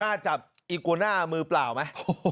กล้าจับอีกร้าหน้ามือเปล่ามั้ย